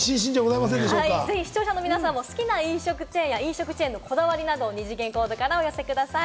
視聴者の皆さんも好きな飲食チェーンや飲食チェーンのこだわりなど、二次元コードからお寄せください。